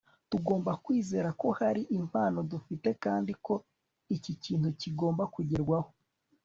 tugomba kwizera ko hari impano dufite kandi ko iki kintu kigomba kugerwaho